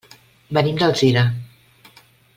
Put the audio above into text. Venim d'Alzira.